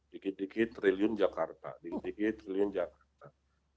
dikit dikit triliun jakarta dikit triliun jakarta